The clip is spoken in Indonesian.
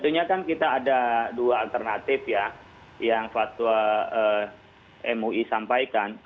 tentunya kan kita ada dua alternatif ya yang fatwa mui sampaikan